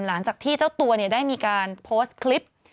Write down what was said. หลังจากที่เจ้าตัวได้มีการโพสต์คลิป